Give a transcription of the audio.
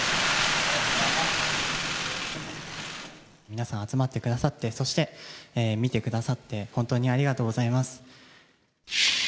皆さん、集まってくださって、そして見てくださって、本当にありがとうございます。